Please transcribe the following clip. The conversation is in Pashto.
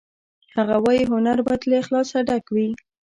هغه وایی هنر باید له اخلاصه ډک وي